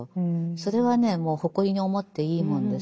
それはねもう誇りに思っていいものです。